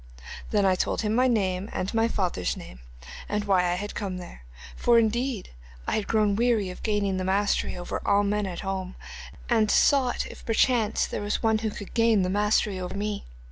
Then I told him my name and my father's name, and why I came there, for indeed I had grown weary of gaining the mastery over all men at home, and sought if perchance there was one who could gain the mastery over me.